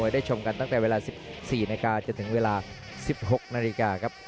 ได้ชมกันตั้งแต่เวลา๑๔นาฬิกาจนถึงเวลา๑๖นาฬิกาครับ